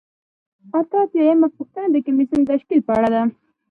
اته اتیا یمه پوښتنه د کمیسیون د تشکیل په اړه ده.